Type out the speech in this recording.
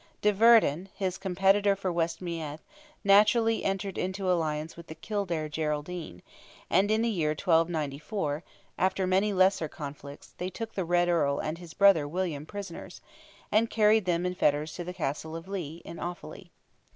De Verdon, his competitor for West Meath, naturally entered into alliance with the Kildare Geraldine, and in the year 1294, after many lesser conflicts, they took the Red Earl and his brother William prisoners, and carried them in fetters to the Castle of Lea, in Offally.